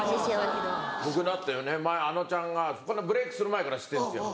僕だってあのちゃんがブレイクする前から知ってるんですよ。